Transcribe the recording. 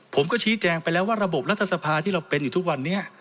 ผมก็ชี้แจงไปแล้วว่าระบบรัฐสภาที่เราเป็นอยู่ทุกวันนี้